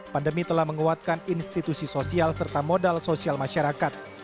pandemi telah menguatkan institusi sosial serta modal sosial masyarakat